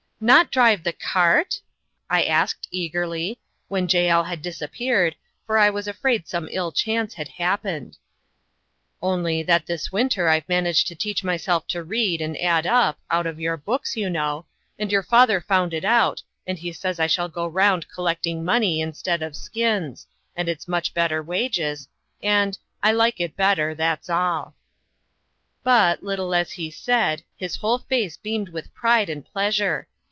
"Not drive the cart?" I asked, eagerly, when Jael had disappeared, for I was afraid some ill chance had happened. "Only, that this winter I've managed to teach myself to read and add up, out of your books, you know; and your father found it out, and he says I shall go round collecting money instead of skins, and it's much better wages, and I like it better that's all." But, little as he said, his whole face beamed with pride and pleasure.